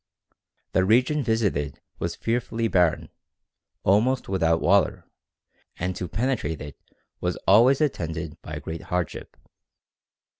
The region visited was fearfully barren, almost without water, and to penetrate it was always attended by great hardship.